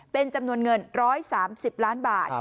เป็นจำนวนเงิน๑๓๐ล้านบาท